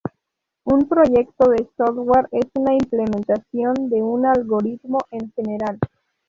Un proyecto de software es una implementación de un algoritmo en general.